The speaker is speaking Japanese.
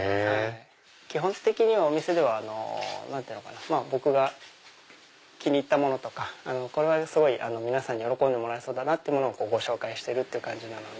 基本的にお店では僕が気に入ったものとか皆さんに喜んでもらえそうなものご紹介してるって感じなので。